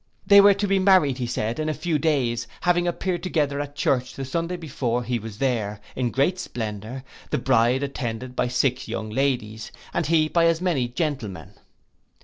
They were to be married, he said, in a few days, having appeared together at church the Sunday before he was there, in great splendour, the bride attended by six young ladies, and he by as many gentlemen.